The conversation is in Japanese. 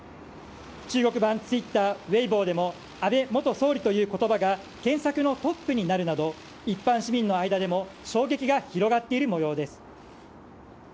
中国版ツイッターウェイボーでも安倍元総理という言葉が検索のトップになるなど一般市民の間でも衝撃が広がっている模様です。